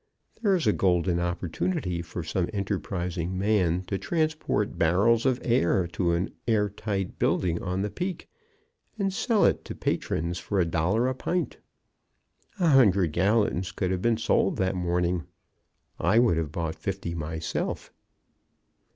There is a golden opportunity for some enterprising man to transport barrels of air to an airtight building on the Peak, and sell it to patrons for a dollar a pint. A hundred gallons could have been sold that morning I would have bought fifty myself.